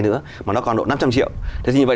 nữa mà nó còn độ năm trăm linh triệu thế thì vậy